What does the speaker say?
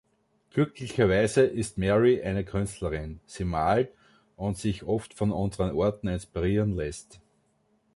Glücklicherweise ist Mary eine Künstlerin; sie malt und sich oft von unseren Orten inspirieren lässt.